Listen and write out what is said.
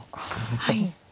はい。